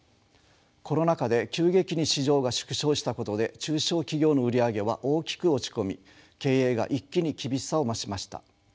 コロナ禍で急激に市場が縮小したことで中小企業の売り上げは大きく落ち込み経営が一気に厳しさを増しました。